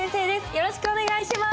よろしくお願いします。